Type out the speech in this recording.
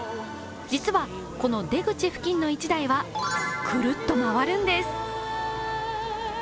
実は、この出口付近の１台はくるっと回るんです。